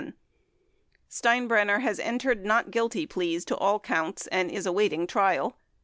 Steinbrenner has entered not guilty pleas to all counts and is awaiting trial.